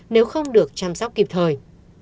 nếu không được chăm sóc kịp thời